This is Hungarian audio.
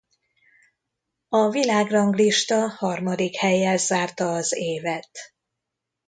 A világranglista harmadik hellyel zárta az évet.